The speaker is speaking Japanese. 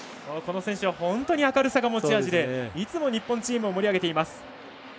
この選手は本当に明るさが持ち味でいつも日本チームを盛り上げています。